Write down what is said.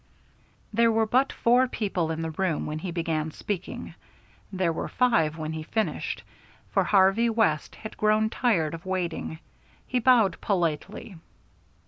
There were but four people in the room when he began speaking. There were five when he finished, for Harvey West had grown tired of waiting. He bowed politely.